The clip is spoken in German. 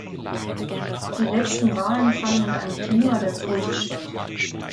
Die letzten Wahlen fanden in einem Klima der Furcht statt.